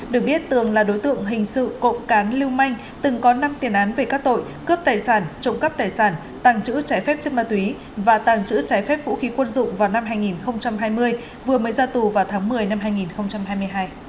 được biết tường là đối tượng hình sự cộng cán lưu manh từng có năm tiền án về các tội cướp tài sản trộm cắp tài sản tàng trữ trái phép chất ma túy và tàng trữ trái phép vũ khí quân dụng vào năm hai nghìn hai mươi vừa mới ra tù vào tháng một mươi năm hai nghìn hai mươi hai